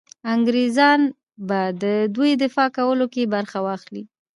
انګرېزان به د دوی دفاع کولو کې برخه واخلي.